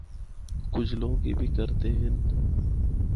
کجھ لوگ اے بھی کردے ہن۔